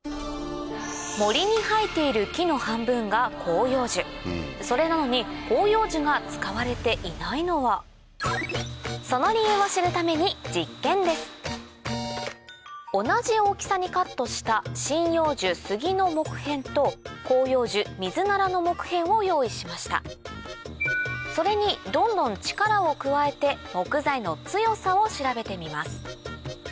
森に生えている木の半分が広葉樹それなのに広葉樹が使われていないのはその理由を知るために実験です同じ大きさにカットした針葉樹スギの木片と広葉樹ミズナラの木片を用意しましたそれにどんどん力を加えて木材の強さを調べてみます